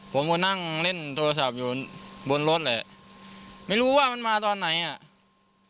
ผมก็นั่งเล่นโทรศัพท์อยู่บนรถแหละไม่รู้ว่ามันมาตอนไหนอ่ะ